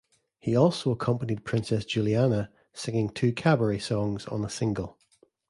He also accompanied Princess Juliana singing two cabaret songs on a single.